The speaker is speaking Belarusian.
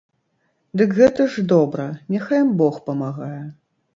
Дык гэта ж добра, няхай ім бог памагае.